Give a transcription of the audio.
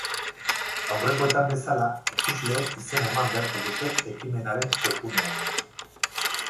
Aurrekoetan bezala, ikusleek izena eman beharko dute ekimenaren webgunean.